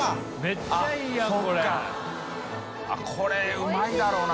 海うまいだろうな